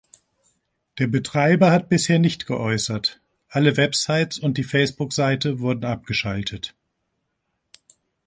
Der Betreiber hat bisher nicht geäußert, alle Websites und die Facebook-Seite wurden abgeschaltet.